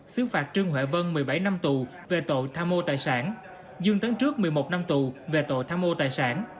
xứ phạt trương huệ vân một mươi bảy năm tù về tội tham mô tài sản dương tấn trước một mươi một năm tù về tội tham mô tài sản